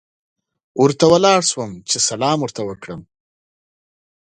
ورته ولاړ شوم چې سلام یې ورته وکړم.